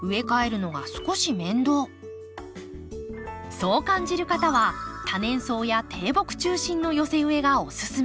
そう感じる方は多年草や低木中心の寄せ植えがおすすめ。